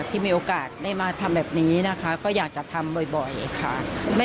ที่มีโอกาสได้มาทำแบบนี้นะคะก็อยากจะทำบ่อยค่ะ